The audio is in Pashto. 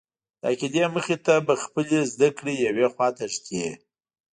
د عقیدې مخې ته به خپلې زده کړې یوې خواته ږدې.